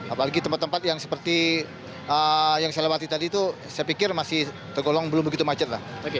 apalagi tempat tempat yang seperti yang saya lewati tadi itu saya pikir masih tergolong belum begitu macet lah